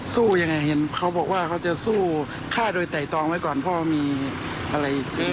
สู้ยังไงเห็นเขาบอกว่าเขาจะสู้ฆ่าโดยไต่ตองไว้ก่อนพ่อมีอะไร